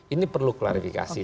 ini perlu klarifikasi